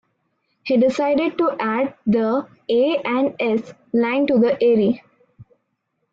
He decided to add the A and S line to the Erie.